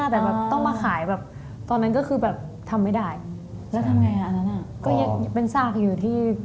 แต่ต้องมาขายตอนนั้นก็คือแบบทำไม่ได้